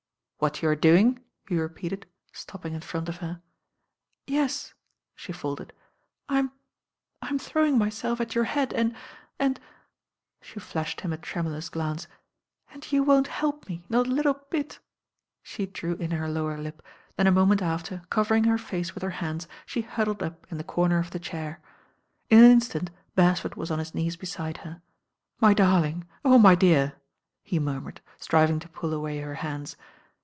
"What you are doing?" >j repeated, stopping in front of her. "Yes," she faltered. "I'm— I'm throwing myself at your head and— and " she flashed him a tremulous glance, "and you won't help me, not a little bit," she drew in her lower lip, then a moment after, covering her face with her hands, she huddled up in the corner of the chair. In an instant Beresford was on his knees beside her. "My dariing; oh my dearl" he murmured, striv ing to pull away her hands.